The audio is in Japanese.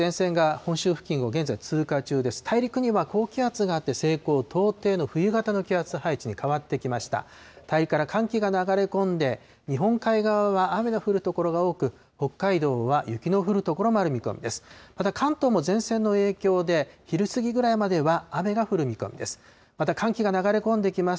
大陸から寒気が流れ込んで、日本海側は雨が降る所が多く、北海道は雪の降る所もある見込みです。